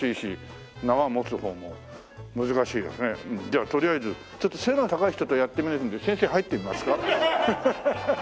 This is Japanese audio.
じゃあとりあえずちょっと背が高い人とやってみるんで先生入ってみますか？